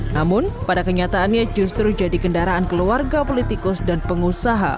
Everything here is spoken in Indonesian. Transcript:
namun pada kenyataannya justru jadi kendaraan keluarga politikus dan pengusaha